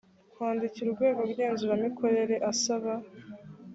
kwandikira urwego ngenzuramikorere asaba